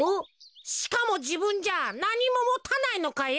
しかもじぶんじゃなにももたないのかよ。